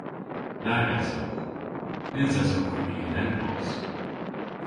Nag esowgh. Nyns esowgh hwi y'n eglos.